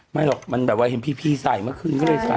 ไม่หรอกมันแบบว่าเห็นพี่ใส่เมื่อคืนก็เลยใส่